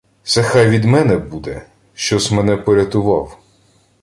— Се хай від мене буде, що-с мене порятував.